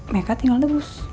meka tinggal terus